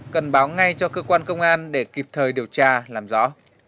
cần báo ngay cho cơ quan công an để kịp thời điều tra làm rõ